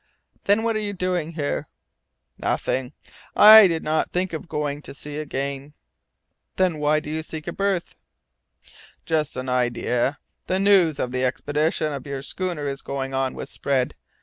"Then what were you doing here?" "Nothing, and I did not think of going to sea again." "Then why seek a berth?" "Just an idea. The news of the expedition your schooner is going on was spread.